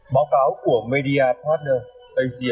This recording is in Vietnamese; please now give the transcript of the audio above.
báo cáo của media partner